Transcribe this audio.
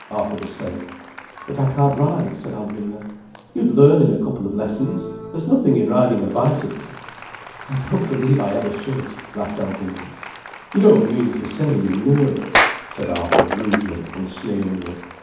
Arthur was saying. "But I can't ride," said Alvina. "You'd learn in a couple of lessons. There's nothing in riding a bicycle." "I don't believe I ever should," laughed Alvina. "You don't mean to say you're nervous?" said Arthur rudely and sneeringly.